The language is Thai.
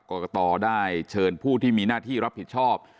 กรกตได้เชิญผู้ที่มีหน้าที่รับผิดชอบ